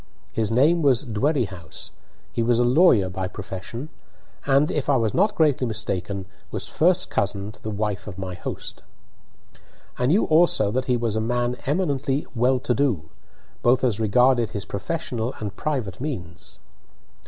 His name was Dwerrihouse, he was a lawyer by profession, and, if I was not greatly mistaken, was first cousin to the wife of my host. I knew also that he was a man eminently "well to do," both as regarded his professional and private means.